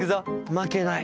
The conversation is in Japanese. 負けない。